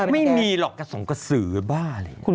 มันไม่มีหรอกกระสงกระสือบ้าเลย